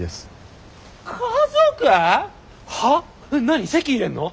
何籍入れんの？